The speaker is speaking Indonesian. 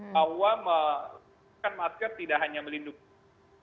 bahwa menggunakan masker tidak hanya melindungi